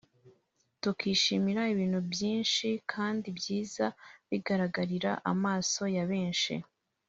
tukishimira ibintu byinshi kandi byiza bigaragarira amaso ya benshi